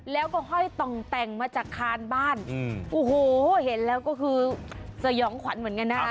แล้วก็ห้อยต่องแต่งมาจากคานบ้านโอ้โหเห็นแล้วก็คือสยองขวัญเหมือนกันนะ